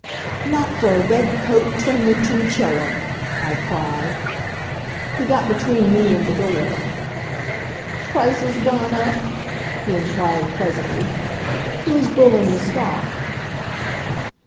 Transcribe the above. "Not for a red coat trimmed with chinchilla," I cried. He got between me and the door. "Prices gone up?" he inquired pleasantly. "Who's bulling the stock?"